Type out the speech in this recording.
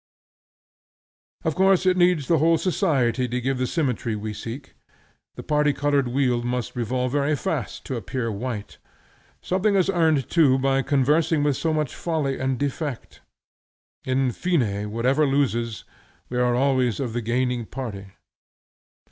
Of course it needs the whole society to give the symmetry we seek. The party colored wheel must revolve very fast to appear white. Something is earned too by conversing with so much folly and defect. In fine, whoever loses, we are always of the gaining party.